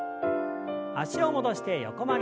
脚を戻して横曲げです。